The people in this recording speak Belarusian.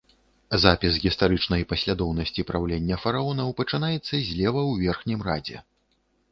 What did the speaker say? Запіс гістарычнай паслядоўнасці праўлення фараонаў пачынаецца злева ў верхнім радзе.